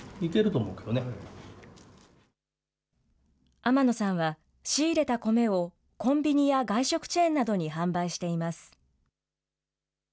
天野さんは仕入れた米をコンビニや外食チェーンなどに販売しています。